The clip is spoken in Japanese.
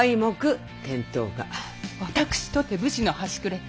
私とて武士の端くれ。